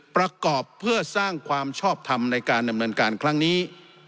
ประกอบเพื่อสร้างความชอบทำในการดำเนินการครั้งนี้